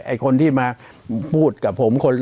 ไอ้คนที่มาพูดกับผมคน